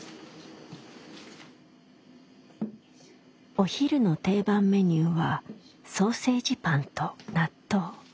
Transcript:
お昼の定番メニューはソーセージパンと納豆。